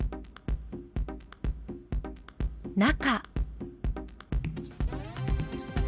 中。